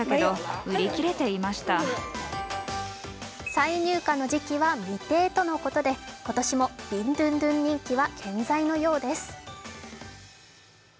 再入荷の時期は未定とのことで、今年もビンドゥンドゥン人気は健在のようです。